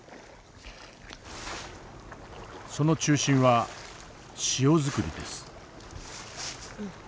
その中心は塩作りです。